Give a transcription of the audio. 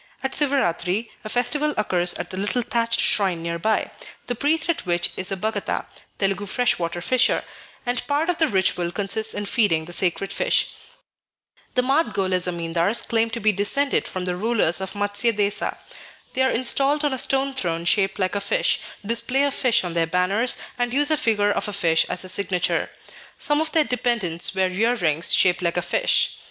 At Sivaratri, a festival occurs at the little thatched shrine near by, the priest at which is a Bagata (Telugu freshwater fisher), and part of the ritual consists in feeding the sacred fish. The Madgole zamindars claim to be descended from the rulers of Matsya Desa. They are installed on a stone throne shaped like a fish, display a fish on their banners, and use a figure of a fish as a signature. Some of their dependents wear ear rings shaped like a fish."